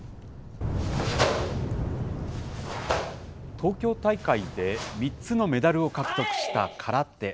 東京大会で３つのメダルを獲得した空手。